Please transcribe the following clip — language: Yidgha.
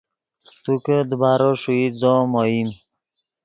تو کہ دیبارو ݰوئیت زو ام اوئیم